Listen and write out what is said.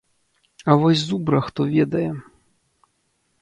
А вось зубра хто ведае?